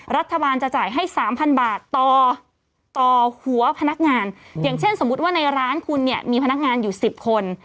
รัฐบาลจะจ่ายให้๓๐๐๐บาทต่อหัวพนักงานเช่นสมมุติว่าในร้านคุณมีพนักงานอยู่๑๐คน